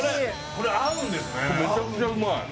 これめちゃくちゃうまい。